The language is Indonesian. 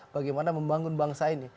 bagaimana membangun bangsa ini